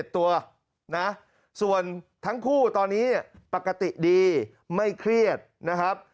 ตัวนะส่วนทั้งคู่ตอนนี้เนี่ยปกติดีไม่เครียดนะครับ